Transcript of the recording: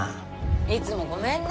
いつもごめんね。